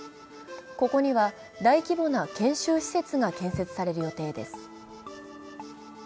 ここには大規模な研修施設が建設される予定です。